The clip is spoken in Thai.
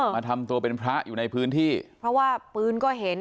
มาทำตัวเป็นพระอยู่ในพื้นที่เพราะว่าปืนก็เห็น